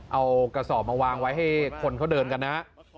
เอากระสอบมาวางไว้ให้คนเขาเดินกันนะ